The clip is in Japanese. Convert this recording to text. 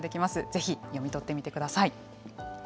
ぜひ読み取ってみてください。